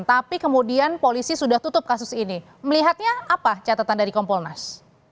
tapi kemudian polisi sudah tutup kasus ini melihatnya apa catatan dari kompolnas